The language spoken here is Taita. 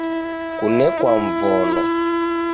Kunekwa Mvono